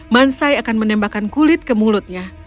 mansai akan menembakkan kulit ke mulutnya